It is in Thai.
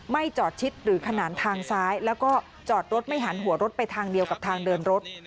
จอดชิดหรือขนานทางซ้ายแล้วก็จอดรถไม่หันหัวรถไปทางเดียวกับทางเดินรถ